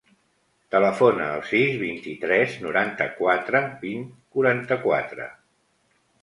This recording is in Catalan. Telefona al sis, vint-i-tres, noranta-quatre, vint, quaranta-quatre.